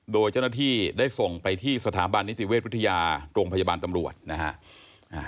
โดยเจ้าหน้าที่ได้ส่งไปที่สถาบันนิติเวชวิทยาโรงพยาบาลตำรวจนะฮะ